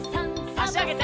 あしあげて。